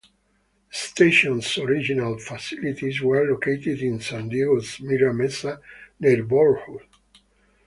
The station's original facilities were located in San Diego's Mira Mesa neighborhood.